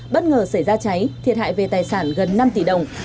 bất ngờ xảy ra cháy thiệt hại về tài sản gần năm tỷ đồng